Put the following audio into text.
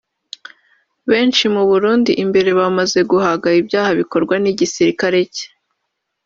Benshi mu Burundi imbere bamaze guhaga ibyaha bikorwa n’igisirikare cye